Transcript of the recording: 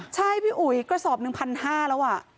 ใช่พี่อุ๋ยกระสอบ๑๕๐๐บาทแล้ว